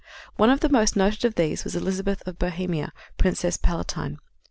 One of the most noted of these was Elizabeth of Bohemia, Princess Palatine.